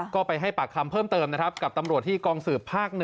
ก็ไปให้ปากคำเพิ่มเติมนะครับกับตำรวจที่กองสืบภาค๑